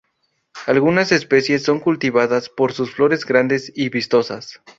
Algunas especies son cultivadas por sus flores grandes y vistosas.